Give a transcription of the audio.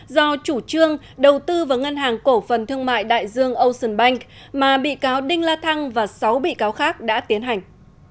do chủ trương đầu tư vào ngân hàng cổ phần thương mại đại dương ocean bank mà bị cáo đinh la thăng và sáu bị cáo khác đã tiến hành